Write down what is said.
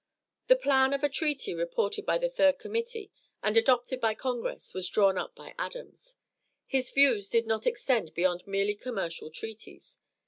The plan of a treaty reported by the third committee, and adopted by Congress, was drawn up by Adams. His views did not extend beyond merely commercial treaties.